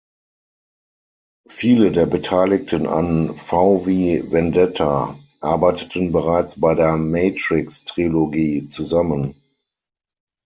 Viele der Beteiligten an "V wie Vendetta" arbeiteten bereits bei der Matrix-Trilogie zusammen.